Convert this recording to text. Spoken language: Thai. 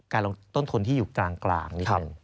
การลงทุนที่อยู่กลาง